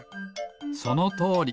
そのとおり。